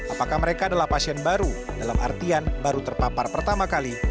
apakah mereka adalah pasien baru dalam artian baru terpapar pertama kali